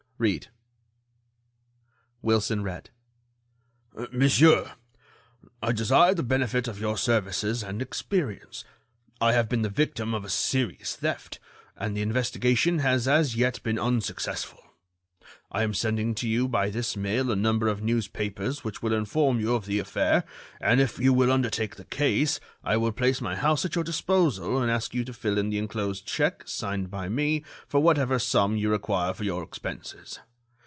Read——" Wilson read: "Monsieur, "I desire the benefit of your services and experience. I have been the victim of a serious theft, and the investigation has as yet been unsuccessful. I am sending to you by this mail a number of newspapers which will inform you of the affair, and if you will undertake the case, I will place my house at your disposal and ask you to fill in the enclosed check, signed by me, for whatever sum you require for your expenses.